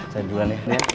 saya duluan ya